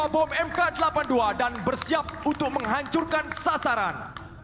lima bom mk delapan puluh dua dan bersiap untuk menghancurkan sasaran